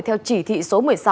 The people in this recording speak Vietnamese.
theo chỉ thị số một mươi sáu